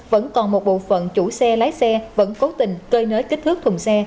vẫn còn một bộ phận chủ xe lái xe vẫn cố tình cơi nới kích thước thùng xe